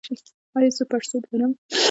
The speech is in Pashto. ایا زه پړسوب لرم؟